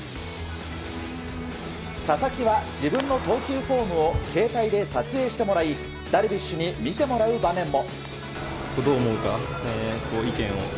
佐々木は自分の投球フォームを携帯で撮影してもらいダルビッシュに見てもらう場面も。